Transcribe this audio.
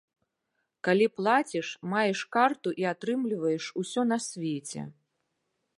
Калі плаціш, маеш карту і атрымліваеш усё на свеце!